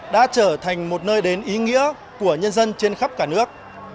đã trở thành một nơi đến ý nghĩa của nhân dân trên khắp cả nước